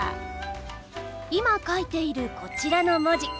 今書いているこちらの文字。